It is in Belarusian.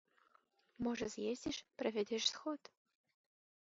Можа з'ездзіш, правядзеш сход?